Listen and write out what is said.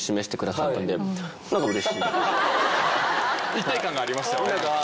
一体感がありましたよね。